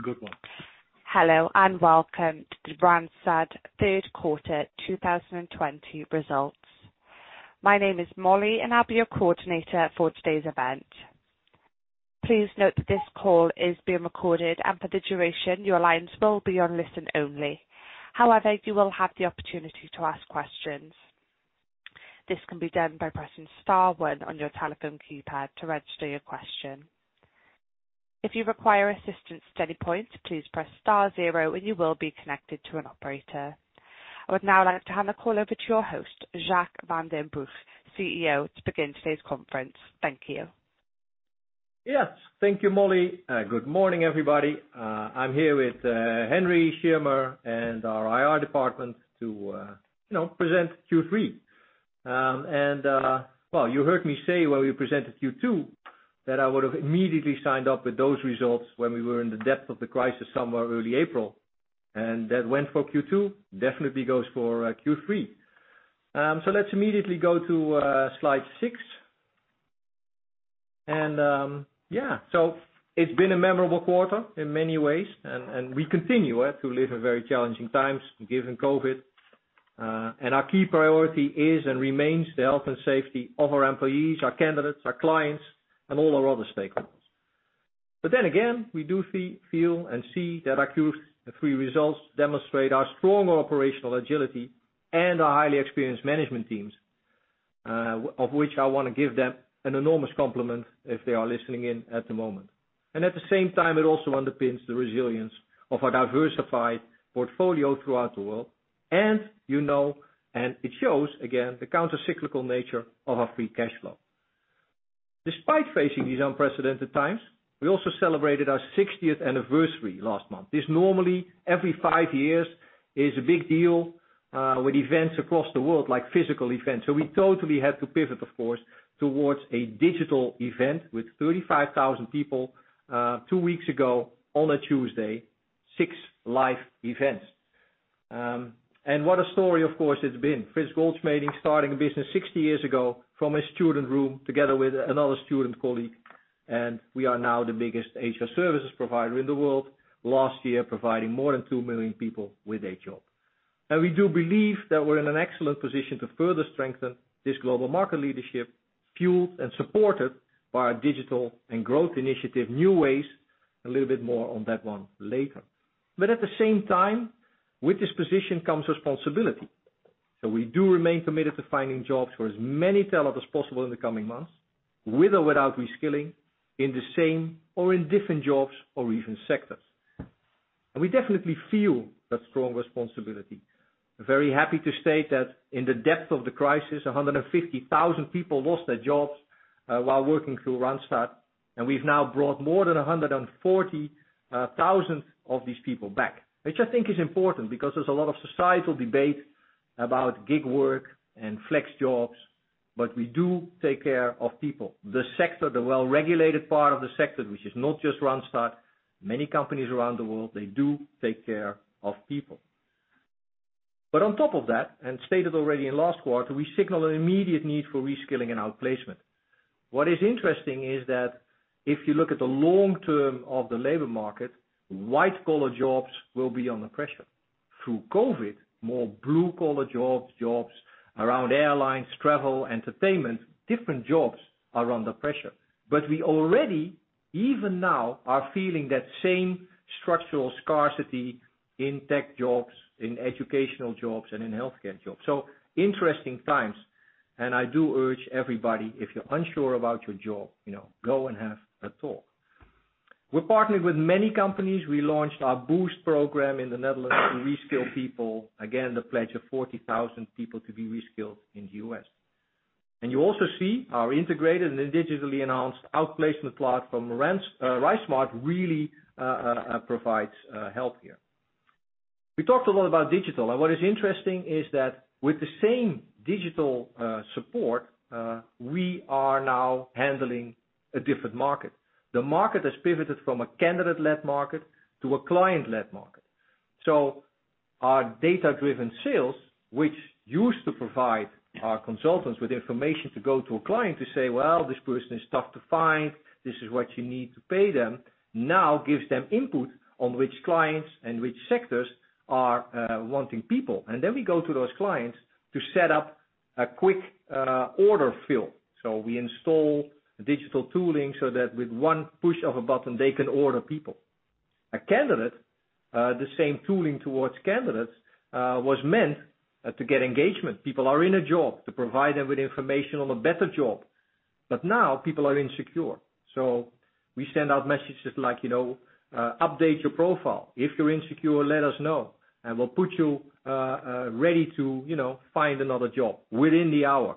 Good morning. Hello, welcome to the Randstad third quarter 2020 results. My name is Molly, and I'll be your coordinator for today's event. Please note that this call is being recorded, and for the duration, your lines will be on listen only. However, you will have the opportunity to ask questions. This can be done by pressing star one on your telephone keypad to register your question. If you require assistance at any point, please press star zero, and you will be connected to an operator. I would now like to hand the call over to your host, Jacques van den Broek, CEO, to begin today's conference. Thank you. Yes. Thank you, Molly. Good morning, everybody. I'm here with Henry Schirmer and our IR department to present Q3. Well, you heard me say when we presented Q2 that I would have immediately signed up with those results when we were in the depth of the crisis somewhere early April, and that went for Q2, definitely goes for Q3. Let's immediately go to slide six. Yeah, so it's been a memorable quarter in many ways, and we continue to live in very challenging times, given COVID. Our key priority is and remains the health and safety of our employees, our candidates, our clients, and all our other stakeholders. Again, we do feel and see that our Q3 results demonstrate our stronger operational agility and our highly experienced management teams, of which I want to give them an enormous compliment if they are listening in at the moment. At the same time, it also underpins the resilience of our diversified portfolio throughout the world. It shows, again, the counter-cyclical nature of our free cash flow. Despite facing these unprecedented times, we also celebrated our 60th anniversary last month. This normally, every five years is a big deal with events across the world, like physical events. We totally had to pivot, of course, towards a digital event with 35,000 people two weeks ago on a Tuesday, six live events. What a story, of course, it's been. Frits Goldschmeding starting a business 60 years ago from a student room together with another student colleague. We are now the biggest HR services provider in the world, last year providing more than 2 million people with a job. We do believe that we're in an excellent position to further strengthen this global market leadership fueled and supported by our digital and growth initiative, newways. A little bit more on that one later. At the same time, with this position comes responsibility. We do remain committed to finding jobs for as many talent as possible in the coming months, with or without reskilling in the same or in different jobs or even sectors. We definitely feel that strong responsibility. Very happy to state that in the depth of the crisis, 150,000 people lost their jobs while working through Randstad, and we've now brought more than 140,000 of these people back, which I think is important because there's a lot of societal debate about gig work and flex jobs, but we do take care of people. The sector, the well-regulated part of the sector, which is not just Randstad, many companies around the world, they do take care of people. On top of that, and stated already in last quarter, we signal an immediate need for reskilling and outplacement. What is interesting is that if you look at the long term of the labor market, white-collar jobs will be under pressure. Through COVID, more blue-collar jobs around airlines, travel, entertainment, different jobs are under pressure. We already, even now, are feeling that same structural scarcity in tech jobs, in educational jobs, and in healthcare jobs. Interesting times, and I do urge everybody, if you're unsure about your job, go and have a talk. We're partnered with many companies. We launched our Boost program in the Netherlands to reskill people. Again, the pledge of 40,000 people to be reskilled in the U.S. You also see our integrated and digitally enhanced outplacement platform from RiseSmart really provides help here. We talked a lot about digital, and what is interesting is that with the same digital support, we are now handling a different market. The market has pivoted from a candidate-led market to a client-led market. Our data-driven sales, which used to provide our consultants with information to go to a client to say, "Well, this person is tough to find. This is what you need to pay them," now gives them input on which clients and which sectors are wanting people. Then we go to those clients to set up a quick order fill. We install digital tooling so that with one push of a button, they can order people. A candidate, the same tooling towards candidates, was meant to get engagement. People are in a job to provide them with information on a better job. Now people are insecure. We send out messages like update your profile. If you're insecure, let us know, and we'll put you ready to find another job within the hour.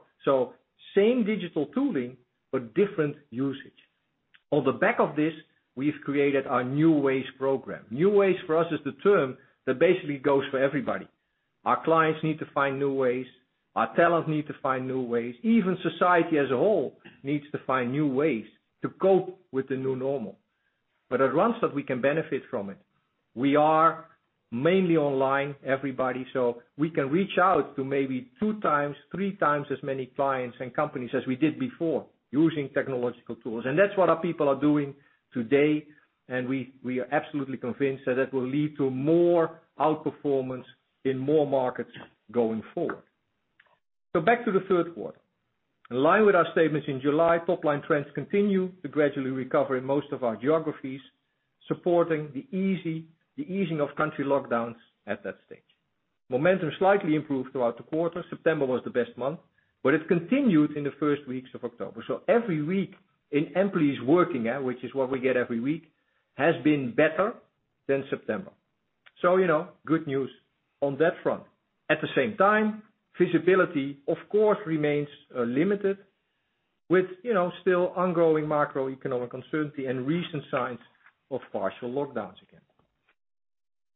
Same digital tooling, but different usage. On the back of this, we've created our newways program. Newways for us is the term that basically goes for everybody. Our clients need to find new ways, our talent need to find new ways. Even society as a whole needs to find new ways to cope with the new normal. At Randstad, we can benefit from it. We are mainly online, everybody, so we can reach out to maybe two times, three times as many clients and companies as we did before using technological tools. That's what our people are doing today, and we are absolutely convinced that that will lead to more outperformance in more markets going forward. Back to the third quarter. In line with our statements in July, top-line trends continue to gradually recover in most of our geographies, supporting the easing of country lockdowns at that stage. Momentum slightly improved throughout the quarter. September was the best month. It continued in the first weeks of October. Every week in employees working, which is what we get every week, has been better than September. Good news on that front. At the same time, visibility, of course, remains limited with still ongoing macroeconomic uncertainty and recent signs of partial lockdowns again.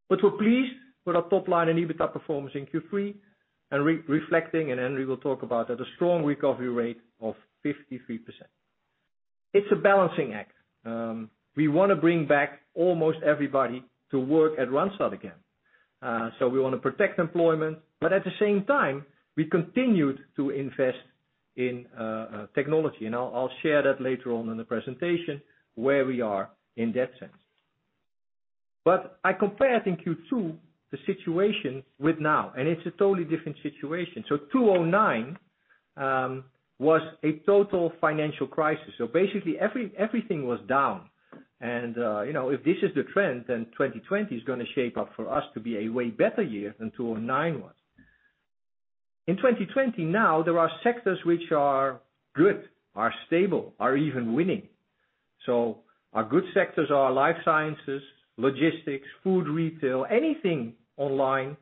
We're pleased with our top line and EBITDA performance in Q3, and reflecting, and Henry will talk about that, a strong recovery rate of 53%. It's a balancing act. We want to bring back almost everybody to work at Randstad again. We want to protect employment, but at the same time, we continued to invest in technology. I'll share that later on in the presentation, where we are in that sense. I compare it in Q2, the situation with now, and it's a totally different situation. 2009 was a total financial crisis. Basically, everything was down. If this is the trend, then 2020 is going to shape up for us to be a way better year than 2009 was. In 2020 now, there are sectors which are good, are stable, are even winning. Our good sectors are life sciences, logistics, food retail, anything online,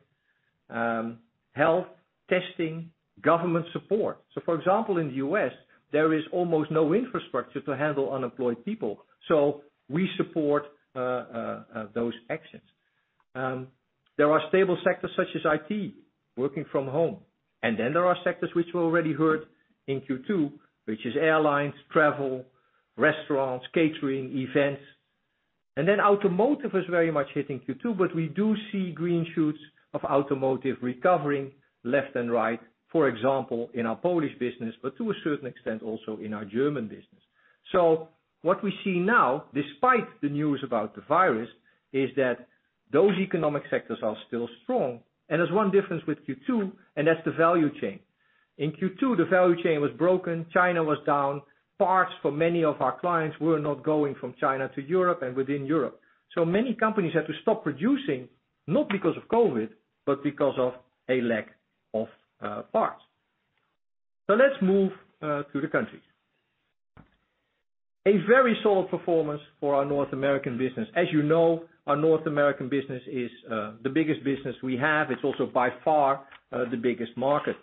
health, testing, government support. For example, in the U.S., there is almost no infrastructure to handle unemployed people, so we support those exits. There are stable sectors such as IT, working from home. There are sectors which we already heard in Q2, which is airlines, travel, restaurants, catering, events. Automotive is very much hit in Q2, but we do see green shoots of automotive recovering left and right, for example, in our Polish business, but to a certain extent, also in our German business. What we see now, despite the news about the virus, is that those economic sectors are still strong. There's one difference with Q2, and that's the value chain. In Q2, the value chain was broken. China was down. Parts for many of our clients were not going from China to Europe and within Europe. Many companies had to stop producing, not because of COVID, but because of a lack of parts. Let's move to the countries. A very solid performance for our North American business. As you know, our North American business is the biggest business we have. It's also by far the biggest market.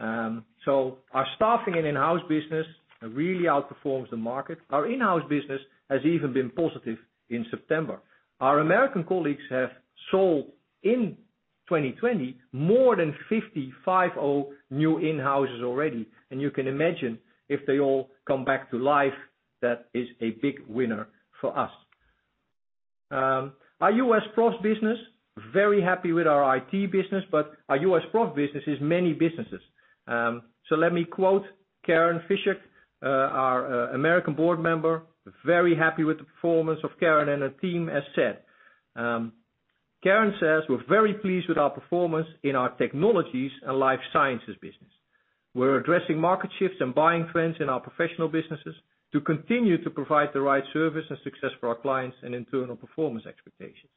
Our staffing and in-house business really outperforms the market. Our in-house business has even been positive in September. Our American colleagues have sold in 2020, more than 55 new in-houses already. You can imagine if they all come back to life, that is a big winner for us. Our U.S. prof business, very happy with our IT business, but our U.S. prof business is many businesses. Let me quote Karen Fichuk, our American board member, very happy with the performance of Karen and her team as said. Karen says, "We're very pleased with our performance in our technologies and life sciences business. We're addressing market shifts and buying trends in our professional businesses to continue to provide the right service and success for our clients and internal performance expectations.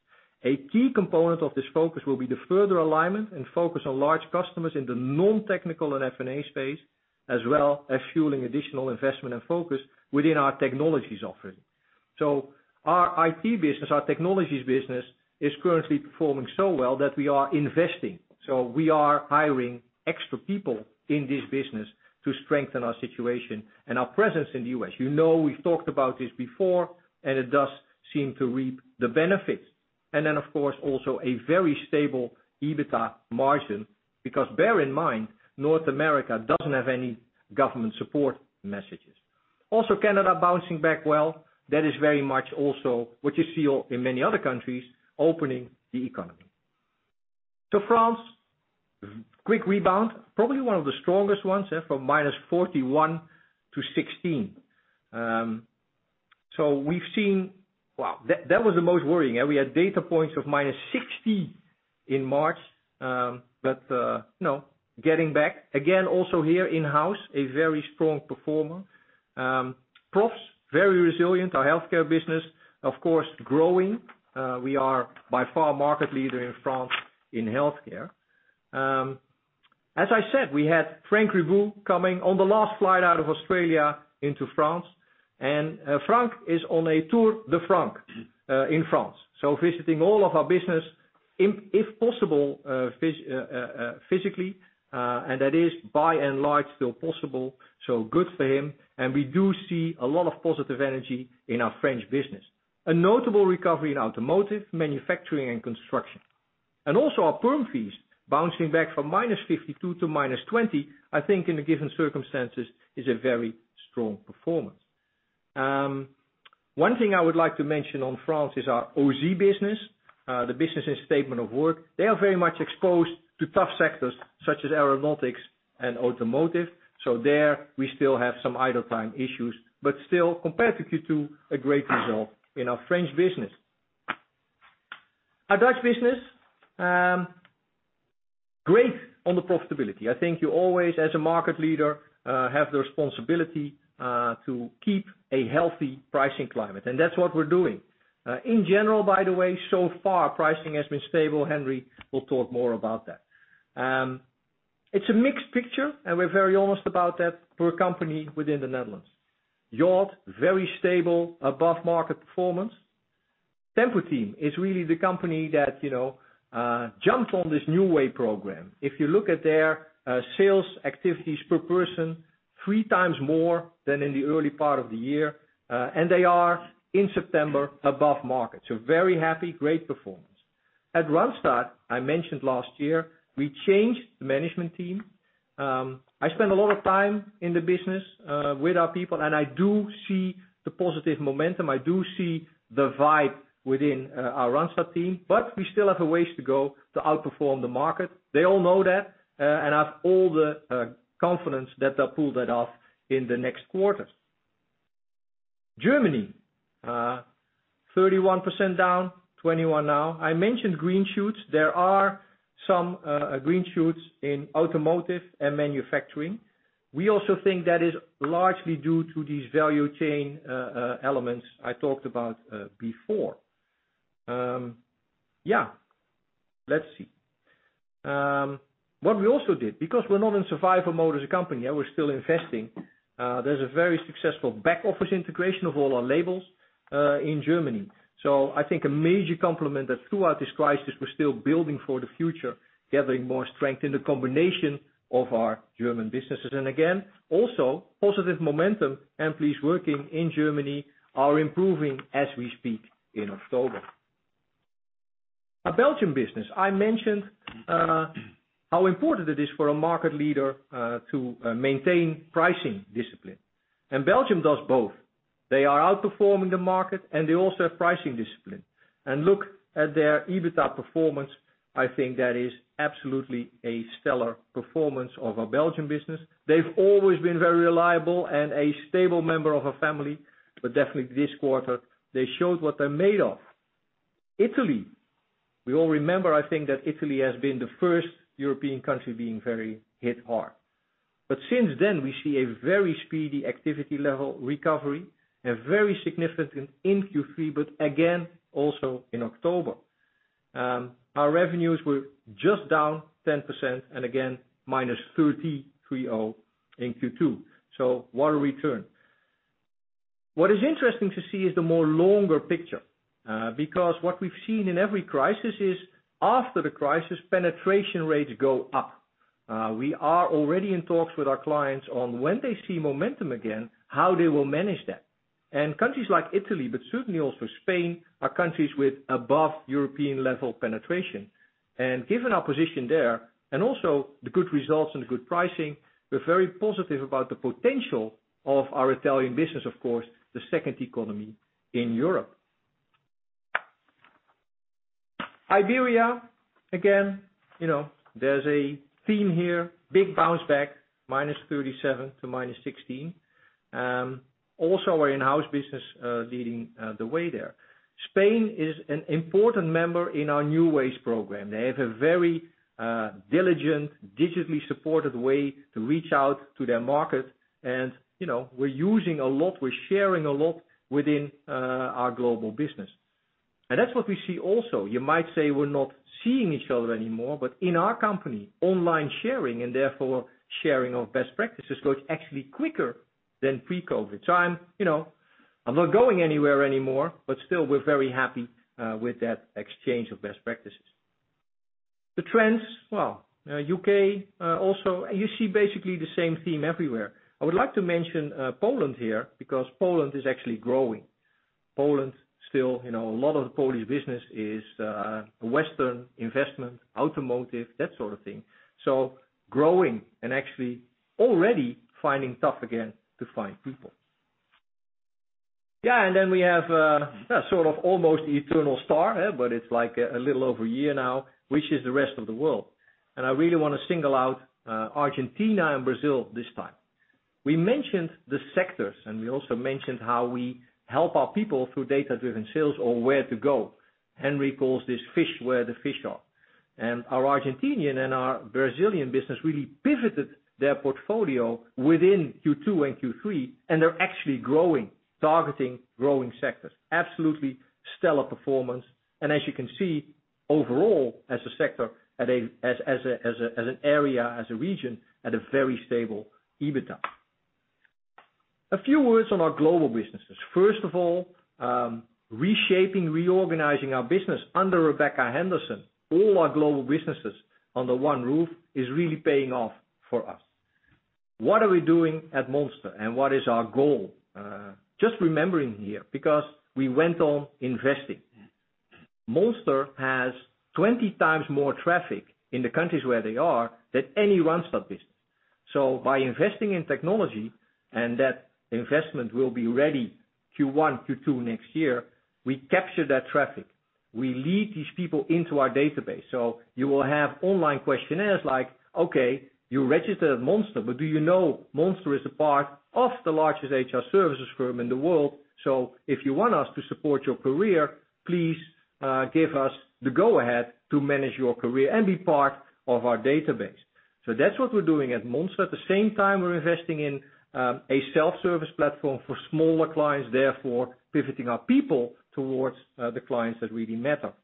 A key component of this focus will be the further alignment and focus on large customers in the non-technical and F&A space, as well as fueling additional investment and focus within our technologies offering." Our IT business, our technologies business, is currently performing so well that we are investing. We are hiring extra people in this business to strengthen our situation and our presence in the U.S. You know we've talked about this before, and it does seem to reap the benefits. Of course, also a very stable EBITDA margin, because bear in mind, North America doesn't have any government support messages. Canada bouncing back well, that is very much also what you see in many other countries, opening the economy. France, quick rebound, probably one of the strongest ones from -41% to 16%. Wow, that was the most worrying. We had data points of -60% in March, but it is getting back. Here in-house is a very strong performer. Profs are very resilient. Our healthcare business is, of course, growing. We are by far market leader in France in healthcare. As I said, we had Frank Ribuot coming on the last flight out of Australia into France. Frank is on a tour de France in France. Visiting all of our business, if possible, physically. That is by and large, still possible. Good for him. We do see a lot of positive energy in our French business. A notable recovery in automotive, manufacturing, and construction. Also our perm fees bouncing back from -52 to -20, I think in the given circumstances is a very strong performance. One thing I would like to mention on France is our Ausy business. The business is statement of work. They are very much exposed to tough sectors such as aeronautics and automotive. There, we still have some idle time issues, but still compared to Q2, a great result in our French business. Our Dutch business, great on the profitability. I think you always, as a market leader, have the responsibility to keep a healthy pricing climate. That's what we're doing. In general, by the way, so far, pricing has been stable. Henry will talk more about that. It's a mixed picture, and we're very honest about that for a company within the Netherlands. Yacht, very stable, above-market performance. Tempo-Team is really the company that jumped on this newway program. If you look at their sales activities per person, three times more than in the early part of the year. They are in September above market. Very happy, great performance. At Randstad, I mentioned last year, we changed the management team. I spend a lot of time in the business, with our people, and I do see the positive momentum. I do see the vibe within our Randstad team, but we still have a ways to go to outperform the market. They all know that, and I have all the confidence that they'll pull that off in the next quarters. Germany, 31% down, 21% now. I mentioned green shoots. There are some green shoots in automotive and manufacturing. We also think that is largely due to these value chain elements I talked about before. Let's see. What we also did, because we're not in survival mode as a company, we're still investing. There's a very successful back-office integration of all our labels in Germany. I think a major compliment that throughout this crisis, we're still building for the future, gathering more strength in the combination of our German businesses. Again, also positive momentum. Employees working in Germany are improving as we speak in October. Our Belgium business, I mentioned how important it is for a market leader to maintain pricing discipline. Belgium does both. They are outperforming the market, and they also have pricing discipline. Look at their EBITDA performance. I think that is absolutely a stellar performance of our Belgium business. They've always been very reliable and a stable member of our family, but definitely this quarter, they showed what they're made of. Italy. We all remember, I think that Italy has been the first European country being very hit hard. Since then, we see a very speedy activity level recovery, very significant in Q3, but again, also in October. Our revenues were just down 10% and again, -33% in Q2. What a return. What is interesting to see is the more longer picture. What we've seen in every crisis is after the crisis, penetration rates go up. We are already in talks with our clients on when they see momentum again, how they will manage that. Countries like Italy, but certainly also Spain, are countries with above European level penetration. Given our position there, and also the good results and the good pricing, we're very positive about the potential of our Italian business, of course, the second economy in Europe. Iberia, again, there's a theme here. Big bounce back -37% to -16%. Also our in-house business leading the way there. Spain is an important member in our newways program. They have a very diligent, digitally supported way to reach out to their market and we're using a lot, we're sharing a lot within our global business. That's what we see also. You might say we're not seeing each other anymore, but in our company, online sharing and therefore sharing of best practices goes actually quicker than pre-COVID time. I'm not going anywhere anymore, but still we're very happy with that exchange of best practices. The trends. U.K., also, you see basically the same theme everywhere. I would like to mention Poland here because Poland is actually growing. Poland still, a lot of the Polish business is Western investment, automotive, that sort of thing. Growing and actually already finding tough again to find people. Then we have sort of almost eternal star, but it's like a little over a year now, which is the rest of the world. I really want to single out Argentina and Brazil this time. We mentioned the sectors, and we also mentioned how we help our people through data-driven sales on where to go. Henry calls this fish where the fish are. Our Argentinian and our Brazilian business really pivoted their portfolio within Q2 and Q3, and they're actually growing, targeting growing sectors. Absolutely stellar performance. As you can see, overall, as a sector, as an area, as a region, at a very stable EBITDA. A few words on our global businesses. First of all, reshaping, reorganizing our business under Rebecca Henderson, all our global businesses under one roof is really paying off for us. What are we doing at Monster, and what is our goal? Just remembering here, because we went on investing. Monster has 20 times more traffic in the countries where they are than any Randstad business. By investing in technology, and that investment will be ready Q1, Q2 next year, we capture that traffic. We lead these people into our database. You will have online questionnaires like, okay, you registered at Monster, but do you know Monster is a part of the largest HR services firm in the world? If you want us to support your career, please give us the go-ahead to manage your career and be part of our database. That's what we're doing at Monster. At the same time, we're investing in a self-service platform for smaller clients, therefore pivoting our people towards the clients that really matter.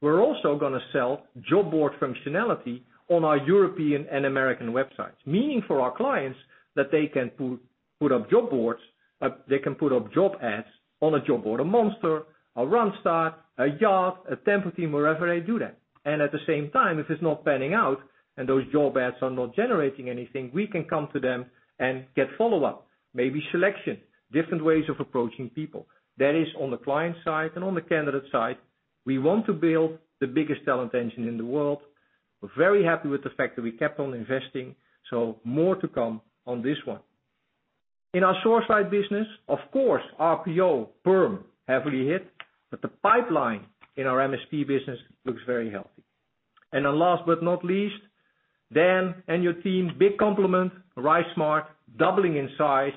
We're also going to sell job board functionality on our European and American websites, meaning for our clients that they can put up job ads on a job board of Monster, or Randstad, a Yacht, a Tempo-Team, wherever they do that. At the same time, if it's not panning out and those job ads are not generating anything, we can come to them and get follow-up, maybe selection, different ways of approaching people. That is on the client side and on the candidate side. We want to build the biggest talent engine in the world. We're very happy with the fact that we kept on investing. More to come on this one. In our source side business, of course, RPO, perm heavily hit, but the pipeline in our MSP business looks very healthy. Last but not least, Dan and your team, big compliment. RiseSmart doubling in size.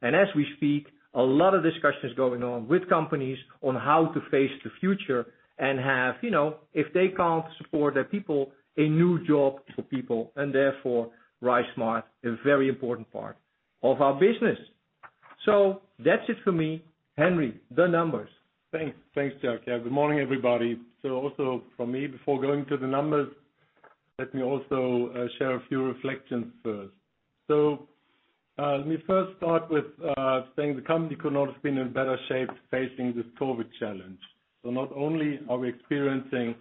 As we speak, a lot of discussions going on with companies on how to face the future and have, if they can't support their people, a new job for people, and therefore RiseSmart is a very important part of our business. That's it for me. Henry, the numbers. Thanks, Jacques. Good morning, everybody. Also from me, before going to the numbers, let me also share a few reflections first. Let me first start with saying the company could not have been in better shape facing this COVID challenge. Not only are we experiencing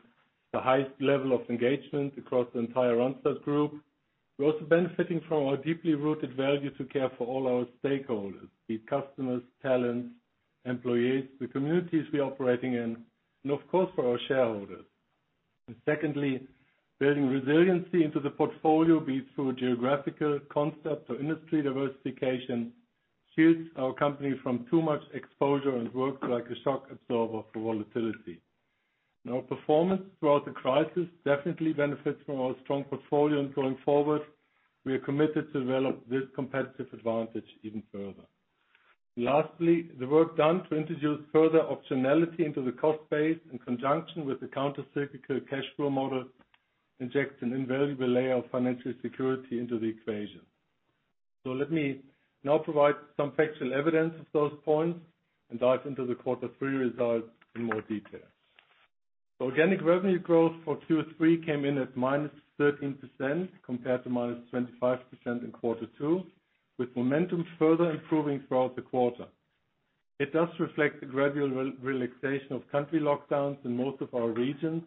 the highest level of engagement across the entire Randstad group, we're also benefiting from our deeply rooted value to care for all our stakeholders, be it customers, talents, employees, the communities we are operating in, and of course, for our shareholders. Secondly, building resiliency into the portfolio, be it through geographical concept or industry diversification, shields our company from too much exposure and works like a shock absorber for volatility. Our performance throughout the crisis definitely benefits from our strong portfolio and going forward, we are committed to develop this competitive advantage even further. Lastly, the work done to introduce further optionality into the cost base in conjunction with the counter cyclical cash flow model injects an invaluable layer of financial security into the equation. Let me now provide some factual evidence of those points and dive into the quarter three results in more detail. Organic revenue growth for Q3 came in at -13%, compared to -25% in quarter two, with momentum further improving throughout the quarter. It does reflect the gradual relaxation of country lockdowns in most of our regions,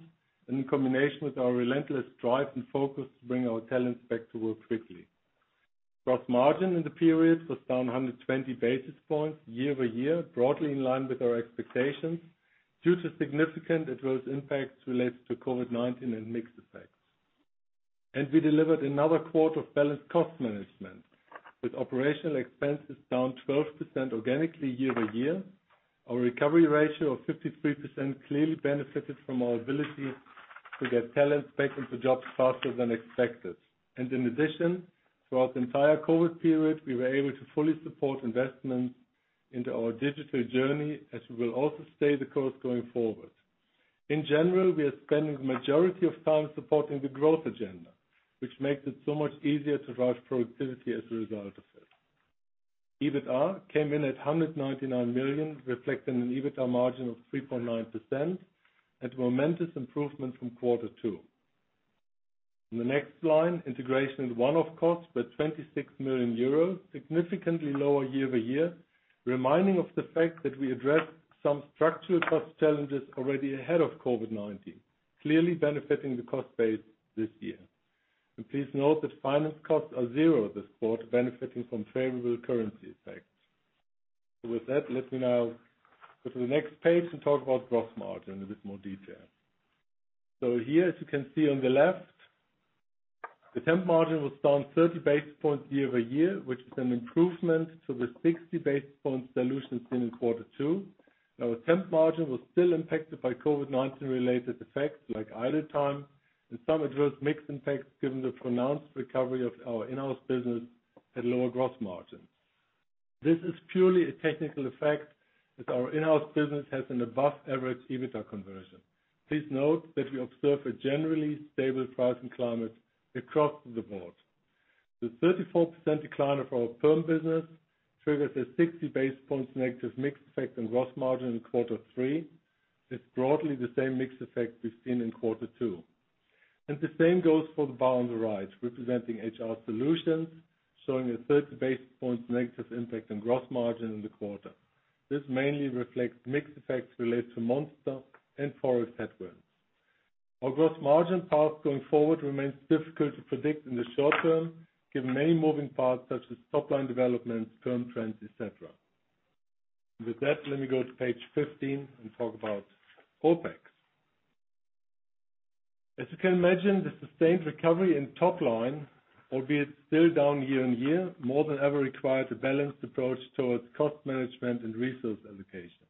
and in combination with our relentless drive and focus to bring our talents back to work quickly. Gross margin in the period was down 120 basis points year-over-year, broadly in line with our expectations due to significant adverse impacts related to COVID-19 and mix effects. We delivered another quarter of balanced cost management with Operating Expenses down 12% organically year-over-year. Our recovery ratio of 53% clearly benefited from our ability to get talents back into jobs faster than expected. In addition, throughout the entire COVID period, we were able to fully support investments into our digital journey, as we will also stay the course going forward. In general, we are spending the majority of time supporting the growth agenda, which makes it so much easier to drive productivity as a result of it. EBITDA came in at 199 million, reflecting an EBITDA margin of 3.9%, at momentous improvement from Q2. On the next line, integration and one-off costs were 26 million euros, significantly lower year-over-year, reminding of the fact that we addressed some structural cost challenges already ahead of COVID-19, clearly benefiting the cost base this year. Please note that finance costs are zero this quarter, benefiting from favorable currency effects. With that, let me now go to the next page and talk about gross margin in a bit more detail. Here as you can see on the left, the temp margin was down 30 basis points year-over-year, which is an improvement to the 60 basis points dilution seen in Q2. Temp margin was still impacted by COVID-19 related effects like idle time and some adverse mix impacts given the pronounced recovery of our in-house business at lower gross margin. This is purely a technical effect as our in-house business has an above average EBITDA conversion. Please note that we observe a generally stable pricing climate across the board. The 34% decline of our perm business triggers a 60 basis points negative mix effect in gross margin in Q3. It's broadly the same mix effect we've seen in quarter two. The same goes for the bar on the right, representing HR solutions, showing a 30 basis points negative impact on gross margin in the quarter. This mainly reflects mix effects related to Monster and Sourceright. Our gross margin path going forward remains difficult to predict in the short term, given many moving parts such as top-line developments, term trends, et cetera. With that, let me go to page 15 and talk about OpEx. As you can imagine, the sustained recovery in top-line, albeit still down year-on-year, more than ever requires a balanced approach towards cost management and resource allocation.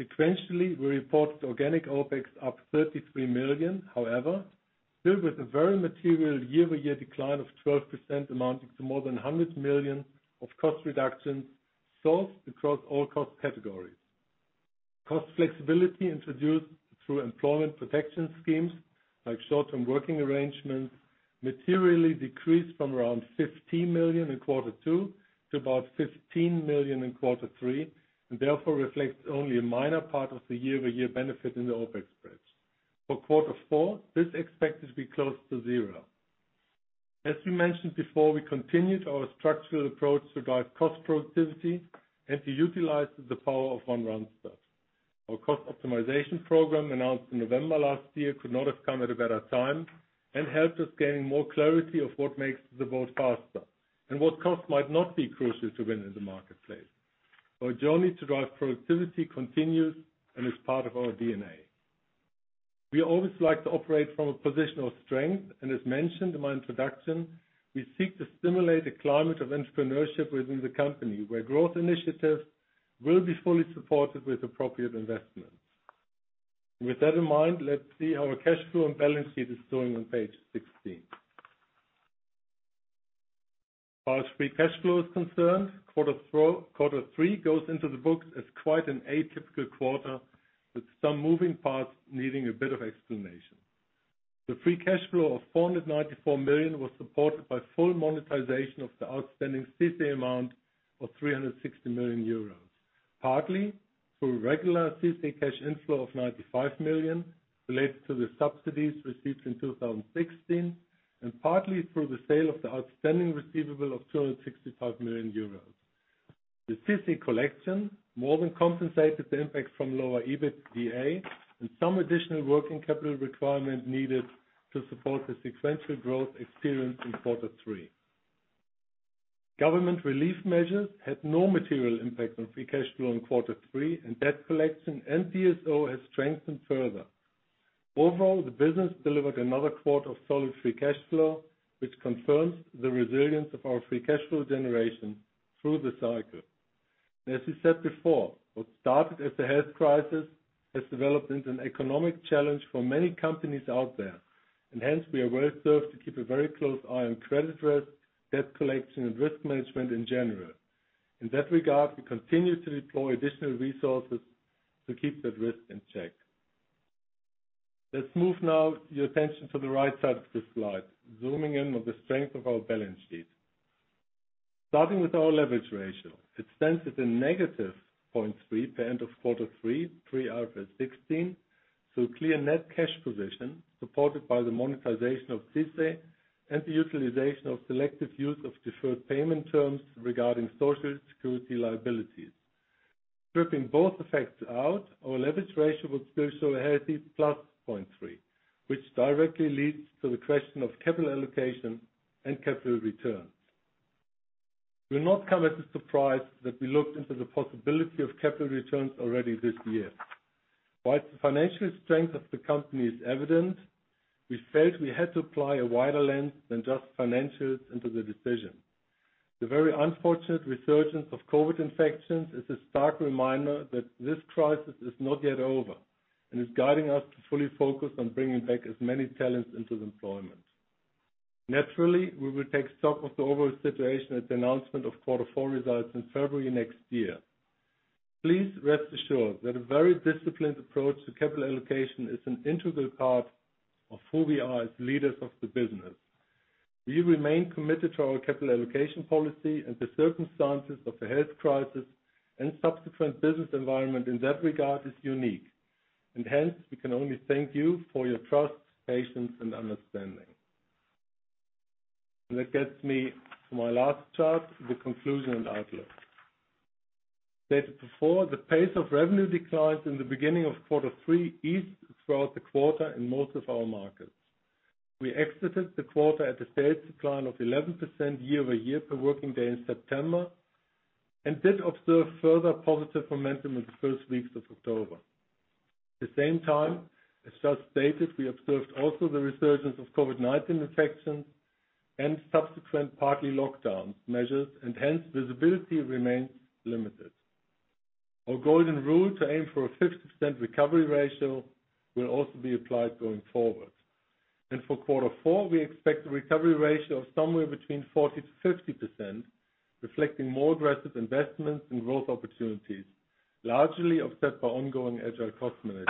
Sequentially, we reported organic OpEx up 33 million. Still with a very material year-over-year decline of 12%, amounting to more than 100 million of cost reductions sourced across all cost categories. Cost flexibility introduced through employment protection schemes like short-term working arrangements materially decreased from around 15 million in quarter two to about 15 million in quarter three, and therefore reflects only a minor part of the year-over-year benefit in the OpEx spreads. For quarter four, this is expected to be close to zero. As we mentioned before, we continued our structural approach to drive cost productivity and to utilize the power of One Randstad. Our cost optimization program announced in November last year could not have come at a better time and helped us gain more clarity of what makes the boat faster and what cost might not be crucial to winning in the marketplace. Our journey to drive productivity continues and is part of our DNA. We always like to operate from a position of strength. As mentioned in my introduction, we seek to stimulate a climate of entrepreneurship within the company where growth initiatives will be fully supported with appropriate investments. With that in mind, let's see how our cash flow and balance sheet is doing on page 16. As far as free cash flow is concerned, quarter three goes into the books as quite an atypical quarter, with some moving parts needing a bit of explanation. The free cash flow of 494 million was supported by full monetization of the outstanding CICE amount of 360 million euros, partly through regular CICE cash inflow of 95 million related to the subsidies received in 2016 and partly through the sale of the outstanding receivable of 265 million euros. The CICE collection more than compensated the impact from lower EBITDA and some additional working capital requirement needed to support the sequential growth experienced in quarter three. Government relief measures had no material impact on free cash flow in quarter three, and debt collection and DSO has strengthened further. Overall, the business delivered another quarter of solid free cash flow, which confirms the resilience of our free cash flow generation through the cycle. As we said before, what started as a health crisis has developed into an economic challenge for many companies out there, and hence we are well-served to keep a very close eye on credit risk, debt collection, and risk management in general. In that regard, we continue to deploy additional resources to keep that risk in check. Let's move now your attention to the right side of the slide, zooming in on the strength of our balance sheet. Starting with our leverage ratio, it stands at a -0.3x per end of Q3, pre-IFRS 16x, through clear net cash position supported by the monetization of CICE and the utilization of selective use of deferred payment terms regarding Social Security liabilities. Stripping both effects out, our leverage ratio would still show a healthy +0.3x, which directly leads to the question of capital allocation and capital returns. It will not come as a surprise that we looked into the possibility of capital returns already this year. While the financial strength of the company is evident, we felt we had to apply a wider lens than just financials into the decision. The very unfortunate resurgence of COVID infections is a stark reminder that this crisis is not yet over and is guiding us to fully focus on bringing back as many talents into the employment. Naturally, we will take stock of the overall situation at the announcement of quarter four results in February next year. Please rest assured that a very disciplined approach to capital allocation is an integral part of who we are as leaders of the business. We remain committed to our capital allocation policy and the circumstances of the health crisis and subsequent business environment in that regard is unique. Hence, we can only thank you for your trust, patience, and understanding. That gets me to my last chart, the conclusion and outlook. Stated before, the pace of revenue declines in the beginning of quarter three eased throughout the quarter in most of our markets. We exited the quarter at a sales decline of 11% year-over-year per working day in September and did observe further positive momentum in the first weeks of October. At the same time, as just stated, we observed also the resurgence of COVID-19 infections and subsequent partly lockdown measures, and hence visibility remains limited. Our golden rule to aim for a 50% recovery ratio will also be applied going forward. For quarter four, we expect a recovery ratio of somewhere between 40%-50%, reflecting more aggressive investments in growth opportunities, largely offset by ongoing agile cost management.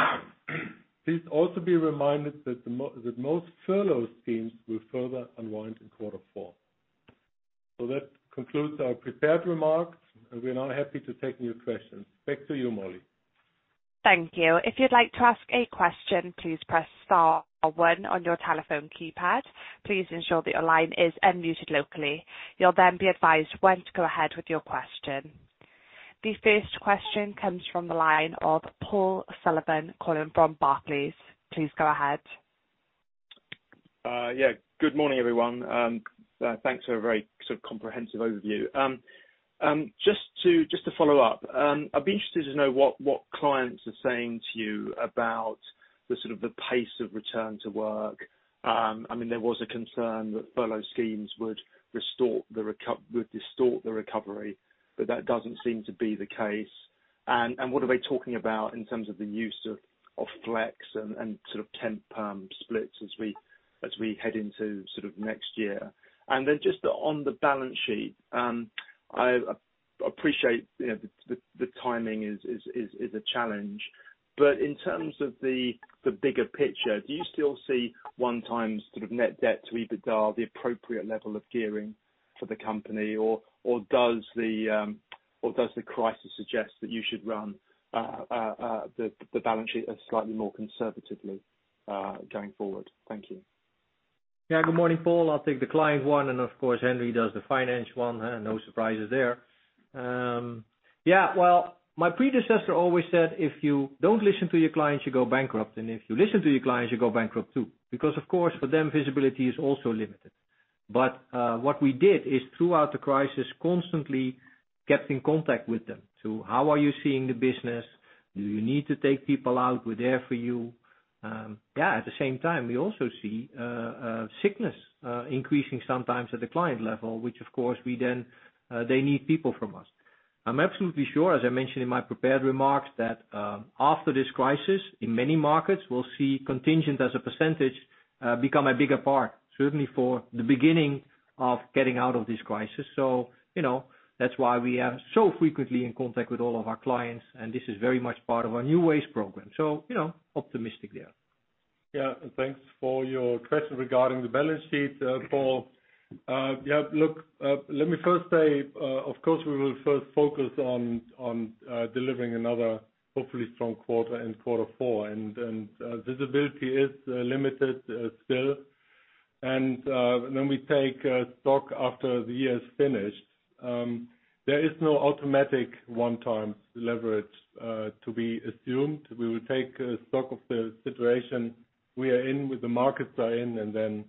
Please also be reminded that most furlough schemes will further unwind in quarter four. That concludes our prepared remarks, and we're now happy to take new questions. Back to you, Molly. Thank you. If you'd like to ask a question, please press star one on your telephone keypad. Please ensure that your line is unmute locally. You'll then be advised when to go ahead with your question. The first question comes from the line of Paul Sullivan calling from Barclays. Please go ahead. Yeah. Good morning, everyone. Thanks for a very comprehensive overview. Just to follow up, I'd be interested to know what clients are saying to you about the pace of return to work. There was a concern that furlough schemes would distort the recovery, but that doesn't seem to be the case. What are they talking about in terms of the use of flex and temp splits as we head into next year? Then just on the balance sheet, I appreciate the timing is a challenge. In terms of the bigger picture, do you still see 1x net debt to EBITDA, the appropriate level of gearing for the company, or does the crisis suggest that you should run the balance sheet slightly more conservatively, going forward? Thank you. Good morning, Paul. I'll take the client one, and of course, Henry does the finance one. No surprises there. Well, my predecessor always said, "If you don't listen to your clients, you go bankrupt. And if you listen to your clients, you go bankrupt, too." Of course, for them, visibility is also limited. What we did is throughout the crisis, constantly kept in contact with them to, "How are you seeing the business? Do you need to take people out? We're there for you." At the same time, we also see sickness increasing sometimes at the client level, which of course, they need people from us. I'm absolutely sure, as I mentioned in my prepared remarks, that after this crisis, in many markets, we'll see contingent as a percentage, become a bigger part, certainly for the beginning of getting out of this crisis. That's why we are so frequently in contact with all of our clients, and this is very much part of our newways program. Optimistic there. Yeah. Thanks for your question regarding the balance sheet, Paul. Yeah, look, let me first say, of course, we will first focus on delivering another hopefully strong quarter in quarter four. Visibility is limited still. When we take stock after the year is finished, there is no automatic one-time leverage to be assumed. We will take stock of the situation we are in, where the markets are in,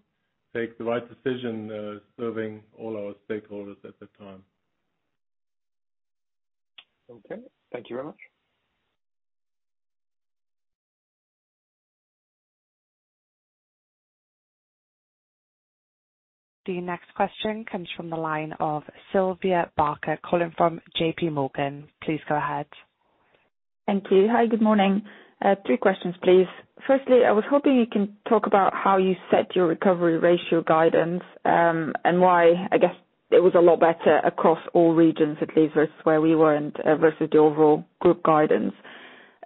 take the right decision serving all our stakeholders at the time. Okay. Thank you very much. The next question comes from the line of Sylvia Barker calling from JPMorgan. Please go ahead. Thank you. Hi, good morning. Three questions, please. Firstly, I was hoping you can talk about how you set your recovery ratio guidance, and why, I guess, it was a lot better across all regions at least versus where we were and versus the overall group guidance.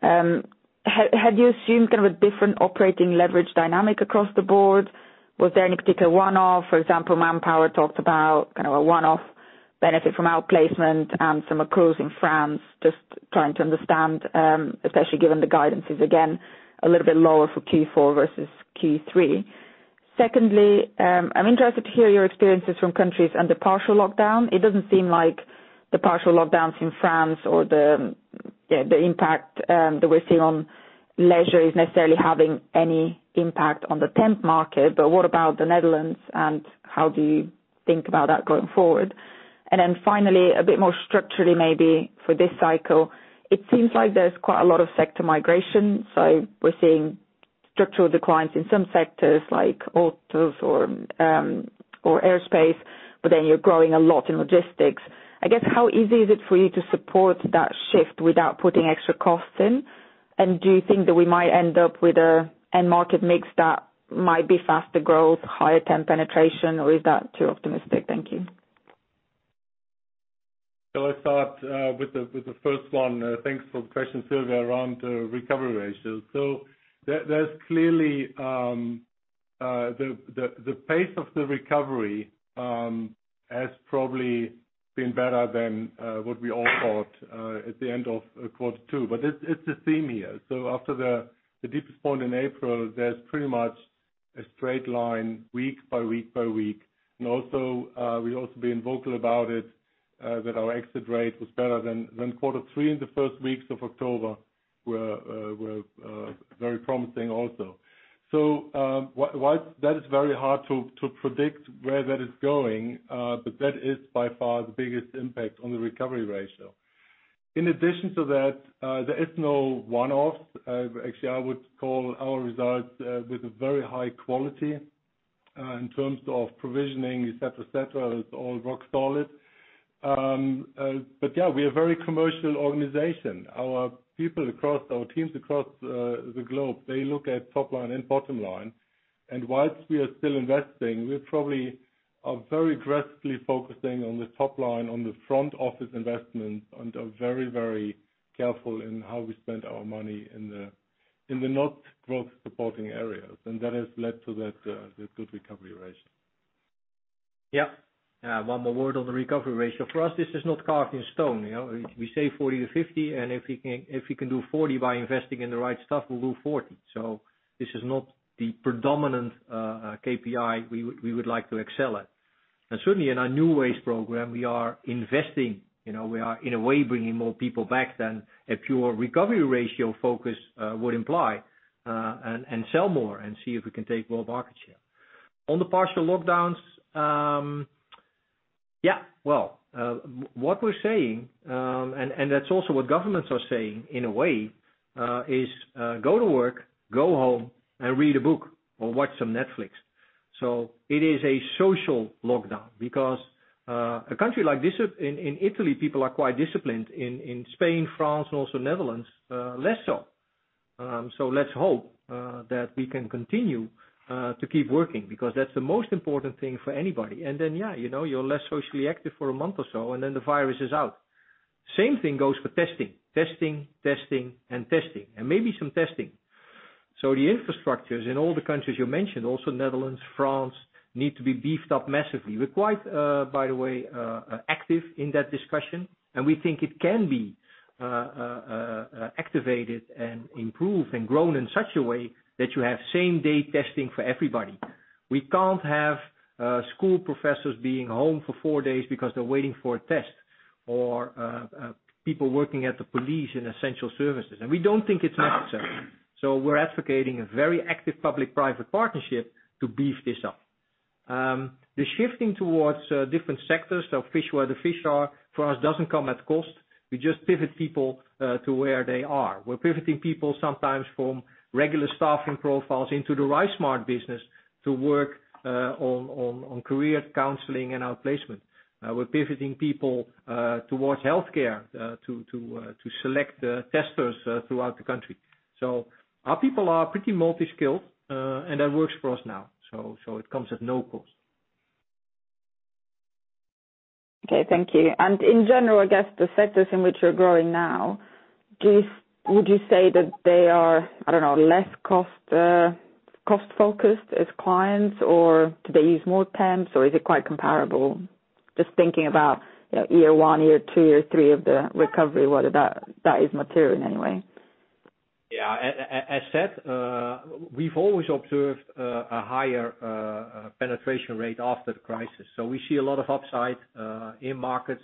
Had you assumed kind of a different operating leverage dynamic across the board? Was there any particular one-off? For example, Manpower talked about kind of a one-off benefit from outplacement, some across in France. Just trying to understand, especially given the guidance is, again, a little bit lower for Q4 versus Q3. Secondly, I'm interested to hear your experiences from countries under partial lockdown. It doesn't seem like the partial lockdowns in France or the impact that we're seeing on leisure is necessarily having any impact on the temp market, but what about the Netherlands and how do you think about that going forward? Then finally, a bit more structurally, maybe for this cycle, it seems like there's quite a lot of sector migration. We're seeing structural declines in some sectors like autos or airspace, but then you're growing a lot in logistics. I guess, how easy is it for you to support that shift without putting extra costs in? Do you think that we might end up with a end market mix that might be faster growth, higher temp penetration, or is that too optimistic? Thank you. I start with the first one. Thanks for the question, Sylvia, around recovery ratios. There's clearly the pace of the recovery has probably been better than what we all thought at the end of quarter two. It's a theme here. After the deepest point in April, there's pretty much a straight line week by week by week. We've also been vocal about it, that our exit rate was better than quarter three in the first weeks of October were very promising also. Whilst that is very hard to predict where that is going, that is by far the biggest impact on the recovery ratio. In addition to that, there is no one-offs. Actually, I would call our results with a very high quality, in terms of provisioning, et cetera. It's all rock solid. Yeah, we are a very commercial organization. Our people across our teams across the globe, they look at top line and bottom line. While we are still investing, we probably are very aggressively focusing on the top line, on the front office investment and are very careful in how we spend our money in the not growth supporting areas. That has led to that good recovery ratio. Yeah. One more word on the recovery ratio. For us, this is not carved in stone. We say 40% to 50% and if we can do 40% by investing in the right stuff, we'll do 40%. This is not the predominant KPI we would like to excel at. Certainly, in our newways program, we are investing. We are, in a way, bringing more people back than a pure recovery ratio focus would imply, and sell more and see if we can take more market share. On the partial lockdowns, what we're saying, and that's also what governments are saying in a way, is go to work, go home, and read a book or watch some Netflix. It is a social lockdown because a country like this, in Italy, people are quite disciplined. In Spain, France, and also Netherlands, less so. Let's hope that we can continue to keep working because that's the most important thing for anybody. Then, yeah, you're less socially active for a month or so, and then the virus is out. Same thing goes for testing. Testing, testing, and testing, and maybe some testing. The infrastructures in all the countries you mentioned, also Netherlands, France, need to be beefed up massively. We're quite, by the way, active in that discussion, and we think it can be activated and improved and grown in such a way that you have same-day testing for everybody. We can't have school professors being home for four days because they're waiting for a test or people working at the police in essential services. We don't think it's necessary. We're advocating a very active public-private partnership to beef this up. The shifting towards different sectors, fish where the fish are, for us, doesn't come at cost. We just pivot people to where they are. We're pivoting people sometimes from regular staffing profiles into the RiseSmart business to work on career counseling and outplacement. We're pivoting people towards healthcare to select testers throughout the country. Our people are pretty multi-skilled, and that works for us now. It comes at no cost. Okay, thank you. In general, I guess the sectors in which you're growing now, would you say that they are, I don't know, less cost-focused as clients or do they use more temps or is it quite comparable? Just thinking about year one, year two, year three of the recovery, whether that is material in any way. Yeah. As said, we've always observed a higher penetration rate after the crisis. We see a lot of upside in markets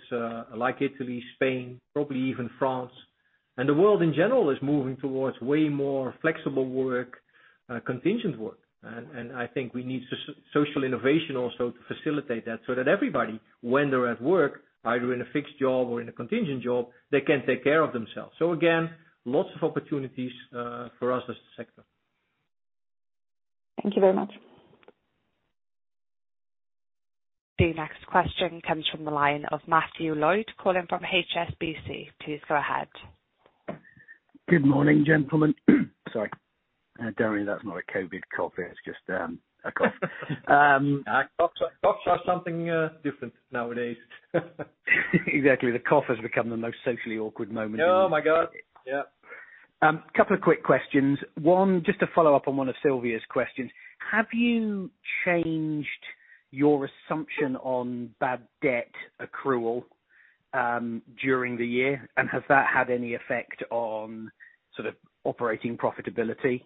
like Italy, Spain, probably even France. The world in general is moving towards way more flexible work, contingent work. I think we need social innovation also to facilitate that so that everybody, when they're at work, either in a fixed job or in a contingent job, they can take care of themselves. Again, lots of opportunities for us as a sector. Thank you very much. The next question comes from the line of Matthew Lloyd calling from HSBC. Please go ahead. Good morning, gentlemen. Sorry. Don't worry, that's not a COVID cough, it's just a cough. A cough is something different nowadays. Exactly. The cough has become the most socially awkward moment. Oh my God. Yeah. A couple of quick questions. One, just to follow up on one of Sylvia's questions, have you changed your assumption on bad debt accrual during the year? Has that had any effect on sort of operating profitability?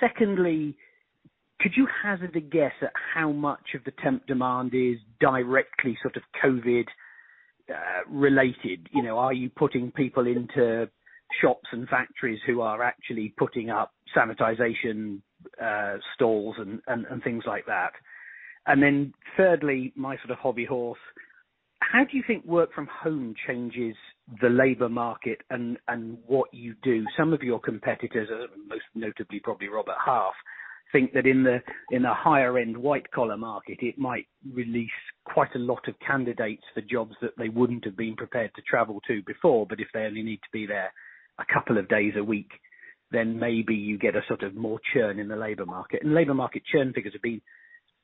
Secondly, could you hazard a guess at how much of the temp demand is directly sort of COVID-related? Are you putting people into shops and factories who are actually putting up sanitization stalls and things like that? Thirdly, my sort of hobby horse, how do you think work from home changes the labor market and what you do? Some of your competitors, most notably probably Robert Half, think that in the higher end white collar market, it might release quite a lot of candidates for jobs that they wouldn't have been prepared to travel to before. If they only need to be there a couple of days a week, then maybe you get a sort of more churn in the labor market. Labor market churn figures have been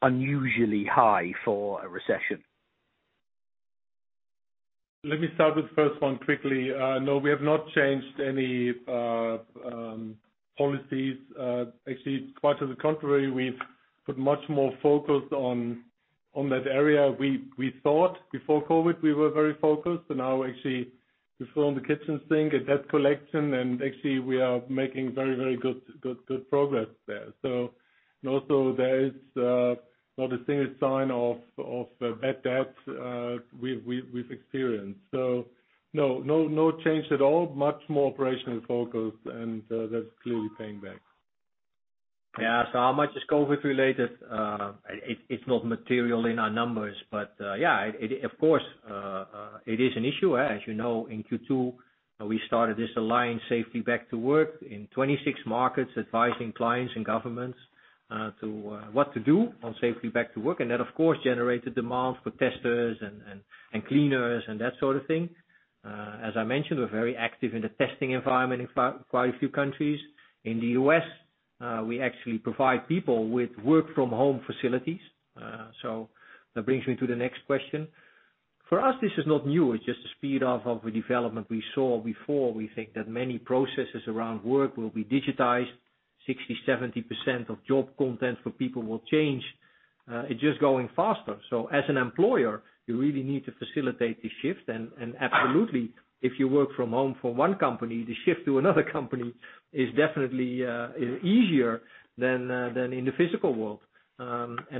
unusually high for a recession. Let me start with the first one quickly. No, we have not changed any policies. Actually, quite to the contrary, we've put much more focus on that area. We thought before COVID we were very focused. Now actually, we fill in the kitchen sink at debt collection, and actually we are making very good progress there. There is not a single sign of bad debt we've experienced. No change at all. Much more operational focus and that's clearly paying back. Yeah. How much is COVID-related? It's not material in our numbers, but yeah, of course, it is an issue. As you know, in Q2, we started this alliance, Safely Back to Work, in 26 markets advising clients and governments what to do on Safety Back to Work. That, of course, generated demand for testers and cleaners and that sort of thing. As I mentioned, we're very active in the testing environment in quite a few countries. In the U.S., we actually provide people with work from home facilities. That brings me to the next question. For us, this is not new. It's just a speed up of a development we saw before. We think that many processes around work will be digitized 60%, 70% of job content for people will change. It's just going faster. As an employer, you really need to facilitate the shift and absolutely, if you work from home for one company, the shift to another company is definitely easier than in the physical world.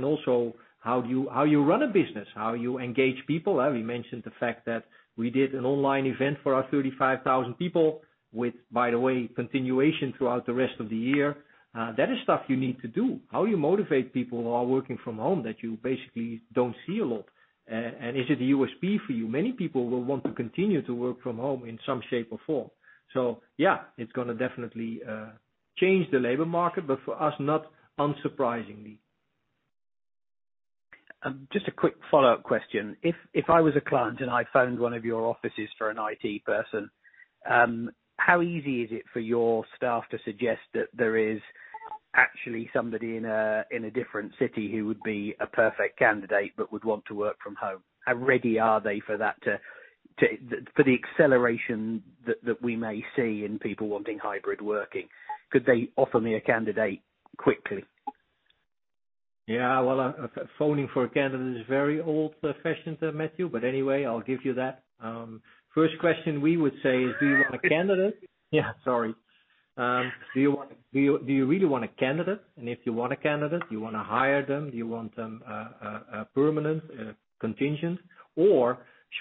Also how you run a business, how you engage people. We mentioned the fact that we did an online event for our 35,000 people with, by the way, continuation throughout the rest of the year. That is stuff you need to do. How you motivate people who are working from home that you basically don't see a lot. Is it a USP for you? Many people will want to continue to work from home in some shape or form. Yeah, it's going to definitely change the labor market, but for us, not unsurprisingly. Just a quick follow-up question. If I was a client and I phoned one of your offices for an IT person, how easy is it for your staff to suggest that there is actually somebody in a different city who would be a perfect candidate but would want to work from home? How ready are they for the acceleration that we may see in people wanting hybrid working? Could they offer me a candidate quickly? Yeah. Well, phoning for a candidate is a very old profession there, Matthew, but anyway, I'll give you that. First question we would say is, do you want a candidate? Yeah, sorry. Do you really want a candidate? If you want a candidate, do you want to hire them? Do you want them permanent, contingent?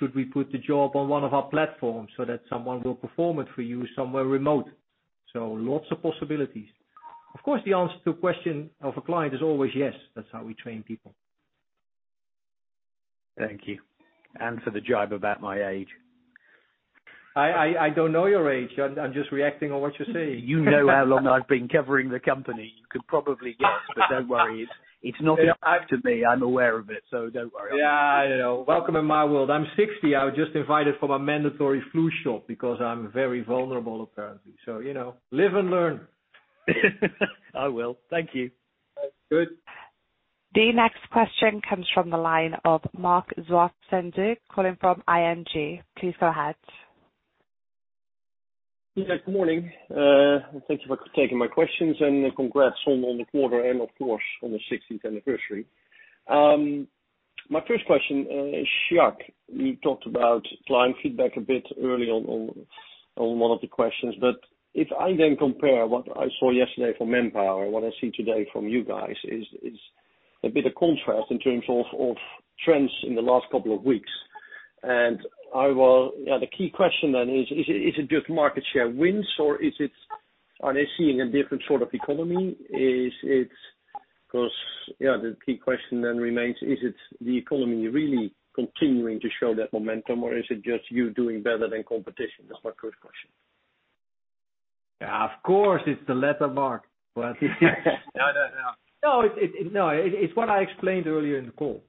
Should we put the job on one of our platforms so that someone will perform it for you somewhere remote? Lots of possibilities. Of course, the answer to a question of a client is always yes. That's how we train people. Thank you. For the job about my age. I don't know your age. I'm just reacting on what you're saying. You know how long I've been covering the company. You could probably guess, but don't worry. It's not new to me. I'm aware of it, so don't worry. Yeah, I know. Welcome in my world. I'm 60 years. I was just invited for my mandatory flu shot because I'm very vulnerable, apparently. Live and learn. I will. Thank you. Good. The next question comes from the line of Marc Zwartsenburg calling from ING. Please go ahead. Yeah, good morning. Thank you for taking my questions and congrats on the quarter and of course on the 60th anniversary. My first question is, Jacques, you talked about client feedback a bit earlier on one of the questions, but if I then compare what I saw yesterday from Manpower, what I see today from you guys is a bit of contrast in terms of trends in the last couple of weeks. The key question then is it just market share wins or are they seeing a different sort of economy? The key question then remains, is it the economy really continuing to show that momentum or is it just you doing better than competition? That's my first question. Of course, it's the latter, Marc. No. No. It's what I explained earlier in the call.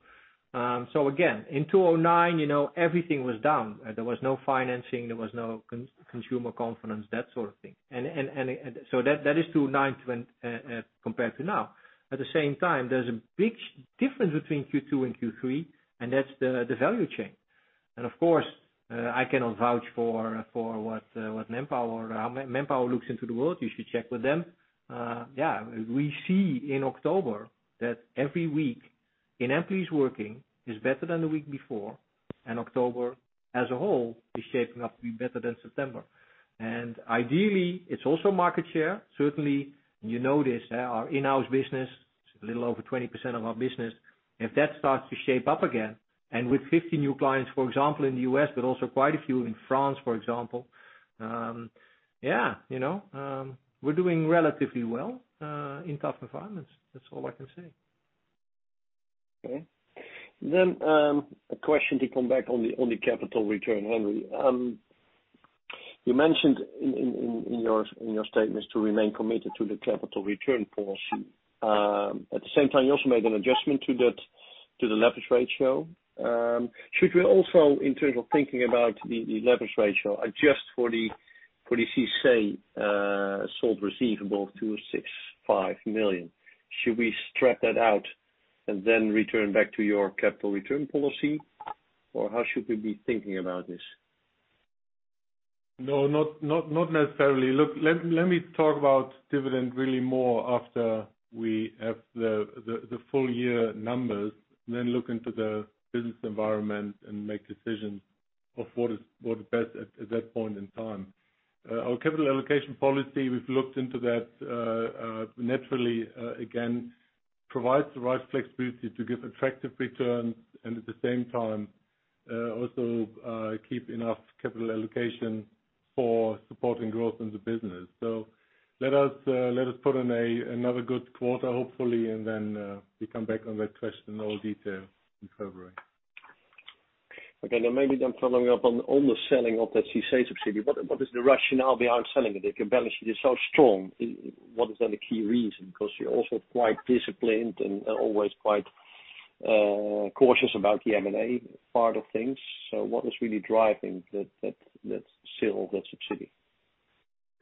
Again, in 2009 everything was down. There was no financing, there was no consumer confidence, that sort of thing. That is 2009 compared to now. At the same time, there's a big difference between Q2 and Q3 and that's the value chain. Of course, I cannot vouch for what Manpower, how Manpower looks into the world. You should check with them. We see in October that every week in employees working is better than the week before and October as a whole is shaping up to be better than September. Ideally it's also market share. Certainly you notice our in-house business is a little over 20% of our business. If that starts to shape up again and with 50 new clients for example in the U.S., but also quite a few in France for example, yeah, we're doing relatively well in tough environments. That's all I can say. Okay. A question to come back on the capital return, Henry. You mentioned in your statements to remain committed to the capital return policy. At the same time, you also made an adjustment to the leverage ratio. Should we also in terms of thinking about the leverage ratio adjust for the CICE sold receivable of 265 million? Should we strip that out and then return back to your capital return policy or how should we be thinking about this? Not necessarily. Let me talk about dividend really more after we have the full year numbers then look into the business environment and make decisions of what is best at that point in time. Our capital allocation policy we've looked into that naturally again provides the right flexibility to give attractive returns and at the same time also keep enough capital allocation for supporting growth in the business. Let us put in another good quarter hopefully and then we come back on that question in all detail in February. Okay. Maybe then following up on the selling of that CICE subsidy, what is the rationale behind selling it? If your balance sheet is so strong, what is then the key reason? You're also quite disciplined and always quite cautious about the M&A part of things. What is really driving that sale of that subsidy?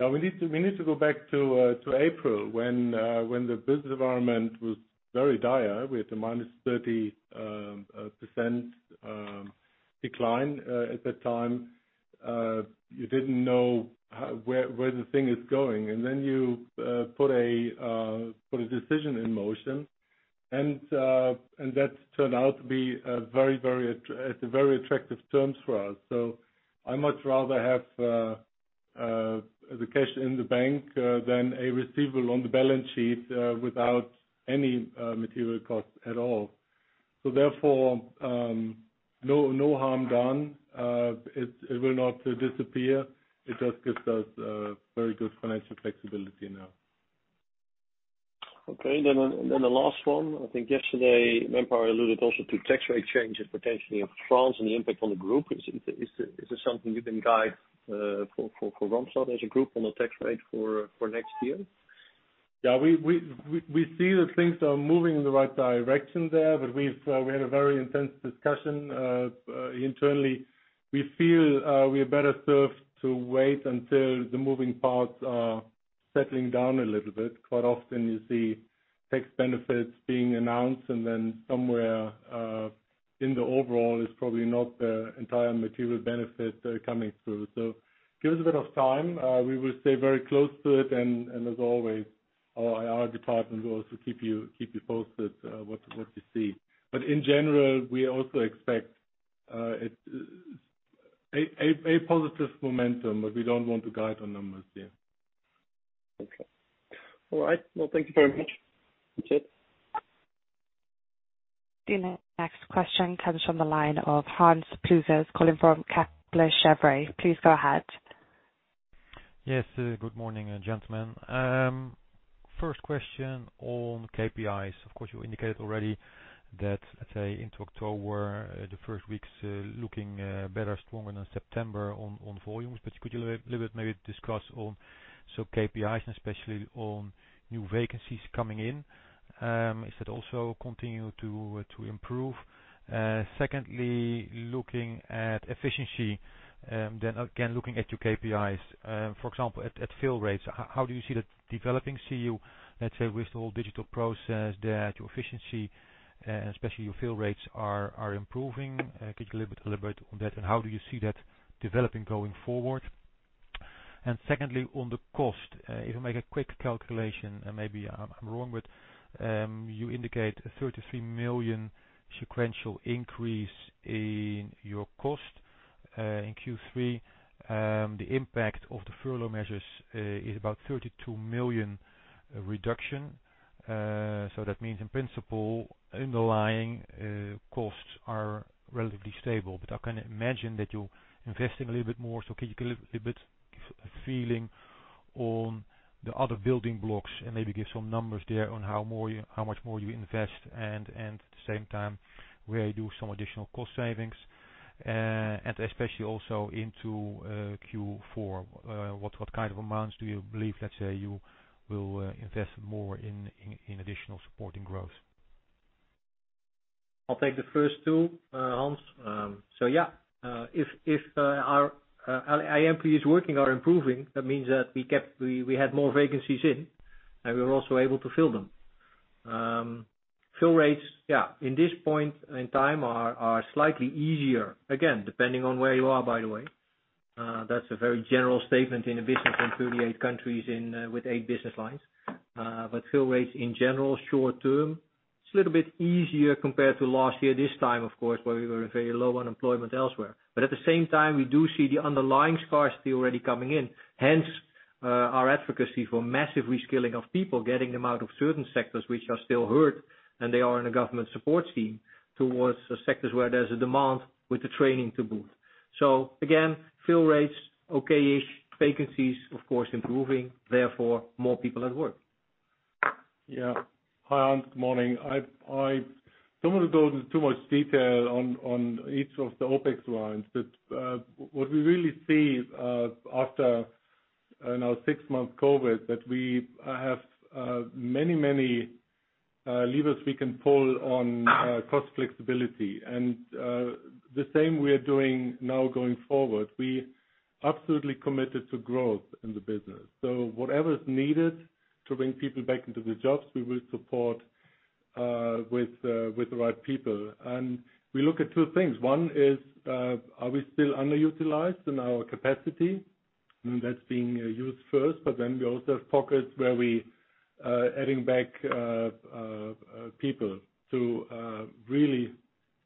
We need to go back to April when the business environment was very dire. We had a -30% decline at that time. You didn't know where the thing is going and then you put a decision in motion and that's turned out to be at very attractive terms for us. I much rather have the cash in the bank, then a receivable on the balance sheet without any material costs at all. Therefore, no harm done. It will not disappear. It just gives us very good financial flexibility now. Okay. The last one, I think yesterday, Manpower alluded also to tax rate changes potentially of France and the impact on the group. Is there something you can guide for Randstad as a group on the tax rate for next year? Yeah. We had a very intense discussion internally. We feel we are better served to wait until the moving parts are settling down a little bit. Quite often you see tax benefits being announced and then somewhere in the overall it's probably not the entire material benefit coming through. Give us a bit of time. We will stay very close to it and as always, our IR department will also keep you posted what we see. In general, we also expect a positive momentum, but we don't want to guide on numbers yet. Okay. All right. Well, thank you very much. That's it. The next question comes from the line of Hans Pluijgers calling from Kepler Cheuvreux. Please go ahead. Yes. Good morning, gentlemen. First question on KPIs. Of course, you indicated already that, let's say into October, the first weeks looking better, stronger than September on volumes. Could you a little bit maybe discuss on some KPIs and especially on new vacancies coming in. Is that also continue to improve? Secondly, looking at efficiency, then again, looking at your KPIs, for example, at fill rates, how do you see that developing? See you, let's say with the whole digital process there, your efficiency, especially your fill rates are improving. Could you elaborate on that and how do you see that developing going forward? Secondly, on the cost, if you make a quick calculation, and maybe I'm wrong, but you indicate a 33 million sequential increase in your cost, in Q3. The impact of the furlough measures is about 32 million reduction. That means in principle, underlying costs are relatively stable. I can imagine that you're investing a little bit more. Can you give a little bit feeling on the other building blocks and maybe give some numbers there on how much more you invest and at the same time, where you do some additional cost savings, and especially also into Q4, what kind of amounts do you believe, let's say you will invest more in additional supporting growth? I'll take the first two, Hans. If our employees working are improving, that means that we had more vacancies in, and we were also able to fill them. Fill rates in this point in time are slightly easier. Again, depending on where you are, by the way. That's a very general statement in a business in 38 countries with eight business lines. Fill rates in general, short term, it's a little bit easier compared to last year, this time, of course, where we were very low unemployment elsewhere. At the same time, we do see the underlying scarcity already coming in, hence our advocacy for massive reskilling of people, getting them out of certain sectors which are still hurt and they are in a government support scheme towards sectors where there's a demand with the training to boot. Again, fill rates, okay-ish, vacancies, of course, improving, therefore, more people at work. Yeah. Hi, Hans, good morning. I don't want to go into too much detail on each of the OpEx lines. What we really see after now six months COVID, that we have many levers we can pull on cost flexibility. The same we are doing now going forward. We absolutely committed to growth in the business. Whatever is needed to bring people back into the jobs, we will support with the right people. We look at two things. One is, are we still underutilized in our capacity? That's being used first, we also have pockets where we adding back people to really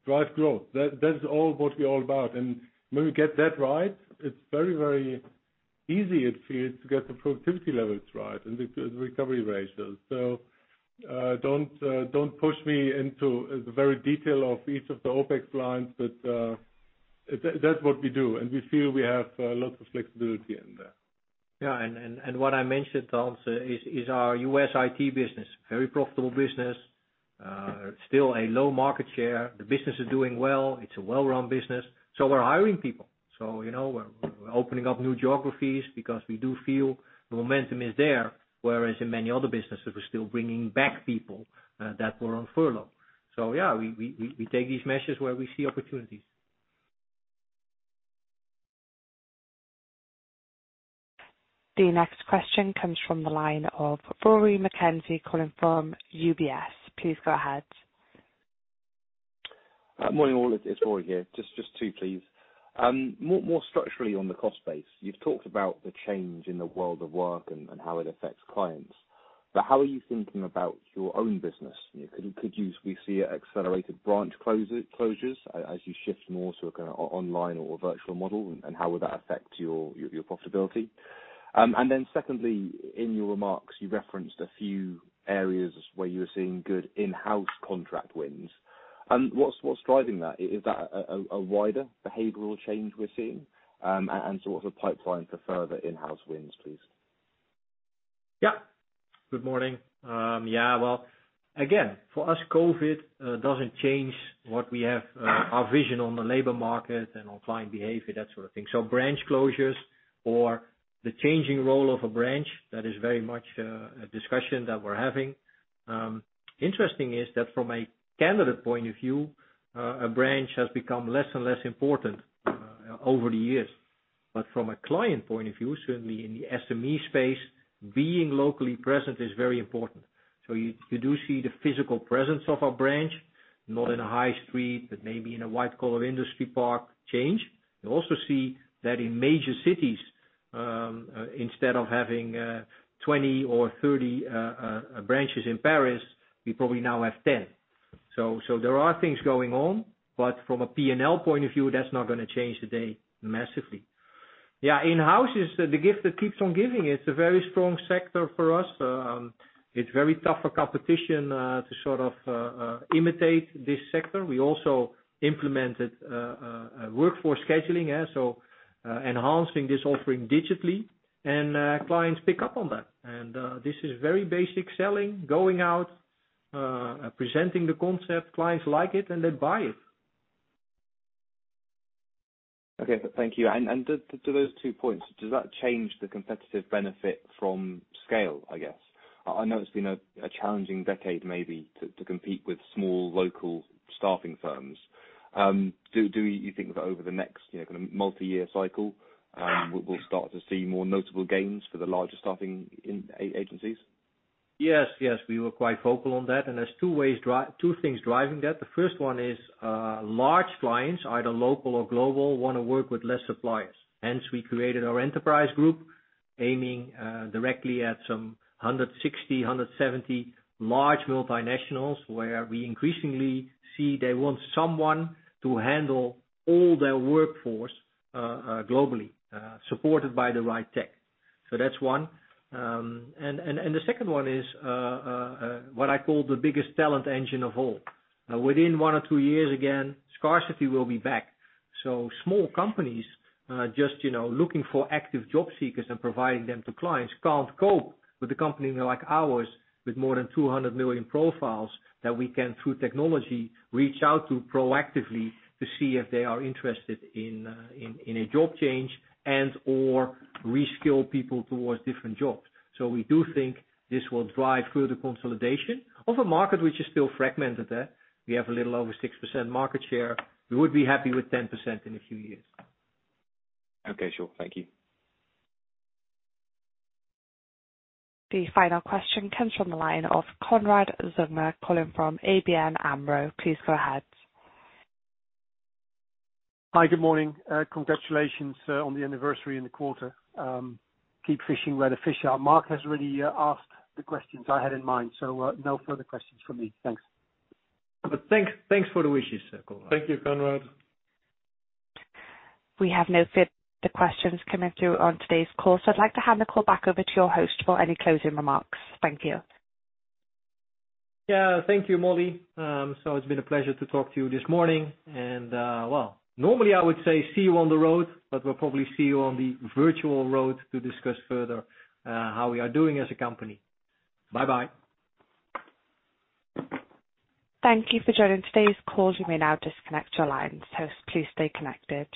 drive growth. That's all what we're all about. When we get that right, it's very easy, it feels to get the productivity levels right and the recovery ratios. Don't push me into the very detail of each of the OpEx lines, but that's what we do, and we feel we have lots of flexibility in there. What I mentioned, Hans, is our U.S. IT business. Very profitable business. Still a low market share. The business is doing well. It's a well-run business. We're hiring people. We're opening up new geographies because we do feel the momentum is there, whereas in many other businesses, we're still bringing back people that were on furlough. We take these measures where we see opportunities. The next question comes from the line of Rory McKenzie calling from UBS. Please go ahead. Morning, all. It's Rory here. Just two, please. More structurally on the cost base, you've talked about the change in the world of work and how it affects clients. How are you thinking about your own business? Could we see accelerated branch closures as you shift more to an online or virtual model? How would that affect your profitability? Secondly, in your remarks, you referenced a few areas where you were seeing good in-house contract wins. What's driving that? Is that a wider behavioral change we're seeing? Sort of a pipeline for further in-house wins, please. Yeah. Good morning. Yeah, well, again, for us, COVID doesn't change what we have, our vision on the labor market and on client behavior, that sort of thing. Branch closures or the changing role of a branch, that is very much a discussion that we're having. Interesting is that from a candidate point of view, a branch has become less and less important over the years. From a client point of view, certainly in the SME space, being locally present is very important. You do see the physical presence of our branch, not in a high street, but maybe in a white collar industry park change. You also see that in major cities, instead of having 20 or 30 branches in Paris, we probably now have 10 branches. There are things going on. From a P&L point of view, that's not going to change today massively. Yeah, in-house is the gift that keeps on giving. It's a very strong sector for us. It's very tough for competition to sort of imitate this sector. We also implemented workforce scheduling. Enhancing this offering digitally and clients pick up on that. This is very basic selling, going out, presenting the concept. Clients like it and they buy it. Okay. Thank you. To those two points, does that change the competitive benefit from scale, I guess? I know it's been a challenging decade maybe to compete with small local staffing firms. Do you think that over the next kind of multi-year cycle, we'll start to see more notable gains for the larger staffing agencies? Yes. We were quite vocal on that, and there's two things driving that. The first one is large clients, either local or global, want to work with less suppliers. Hence we created our Enterprise Group, aiming directly at some 160, 170 large multinationals, where we increasingly see they want someone to handle all their workforce globally, supported by the right tech. That's one. The second one is what I call the biggest talent engine of all. Within one or two years, again, scarcity will be back. Small companies, just looking for active job seekers and providing them to clients can't cope with a company like ours with more than 200 million profiles that we can, through technology, reach out to proactively to see if they are interested in a job change and/or reskill people towards different jobs. We do think this will drive further consolidation of a market which is still fragmented there. We have a little over 6% market share. We would be happy with 10% in a few years. Okay, sure. Thank you. The final question comes from the line of Konrad Zomer calling from ABN AMRO. Please go ahead. Hi, good morning. Congratulations on the anniversary and the quarter. Keep fishing where the fish are. Marc has already asked the questions I had in mind. No further questions from me. Thanks. Thanks for the wishes, Konrad. Thank you, Konrad. We have no further questions coming through on today's call, so I'd like to hand the call back over to your host for any closing remarks. Thank you. Yeah, thank you, Molly. It's been a pleasure to talk to you this morning. Well, normally I would say see you on the road, but we'll probably see you on the virtual road to discuss further how we are doing as a company. Bye-bye. Thank you for joining today's call. You may now disconnect your line, so please stay connected.